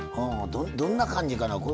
どんな感じかな。